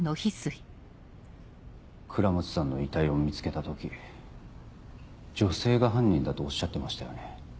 倉持さんの遺体を見つけた時女性が犯人だとおっしゃってましたよね？